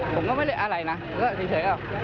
ผมก็ไม่ได้อะไรนะก็เฉยก็